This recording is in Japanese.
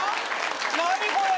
何これ？